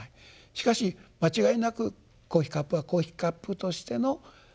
しかし間違いなくコーヒーカップはコーヒーカップとしての働き。